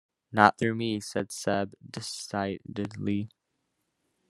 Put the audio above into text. "Not through me," said Seb decidedly.